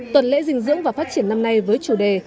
tuần lễ dinh dưỡng và phát triển năm nay với chủ đề